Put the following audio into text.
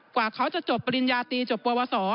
กว่าเขาจะจบปริญญาตรีจบประวัติศาสตร์